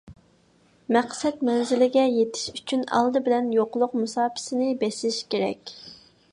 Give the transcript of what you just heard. مەقسەت مەنزىلىگە يېتىش ئۈچۈن، ئالدى بىلەن يوقلۇق مۇساپىسىنى بېسىش كېرەك.